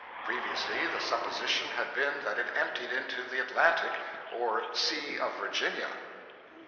Previously the supposition had been that it emptied into the Atlantic, or Sea of Virginia.